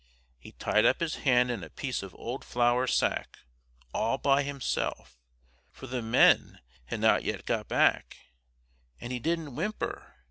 He tied up his hand in a piece of old flour sack, all by himself, for the men had not yet got back; and he didn't whimper!